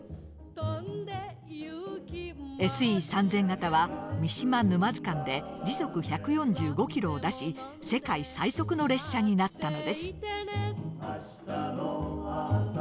ＳＥ３０００形は三島沼津間で時速１４５ｋｍを出し世界最速の列車になったのです。